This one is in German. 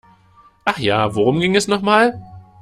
Ach ja, worum ging es noch mal?